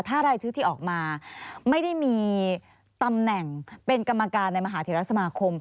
ถ้ารายชื่อที่ออกมาไม่ได้มีตำแหน่งเป็นกรรมการในมหาเทรสมาคม